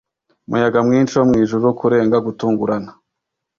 Umuyaga mwinshi wo mwijuru Kurenga gutungurana